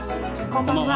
こんばんは。